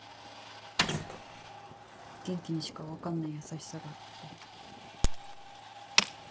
元気にしか分かんない優しさがあって。